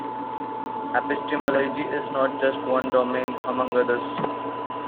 Epistemology is not just one domain among others.